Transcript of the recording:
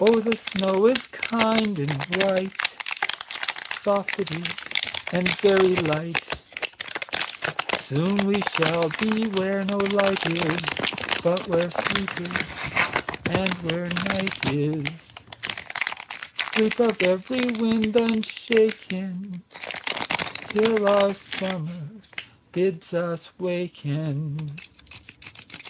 Oh, the snow is kind and white,—Soft it is, and very light; Soon we shall be where no light is, But where sleep is, and where night is,—Sleep of every wind unshaken, Till our Summer bids us waken."